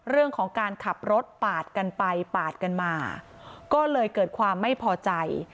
เรื่องของการขับรถปาดกันไปปาดกันมาก็เลยเกิดความไม่พอใจ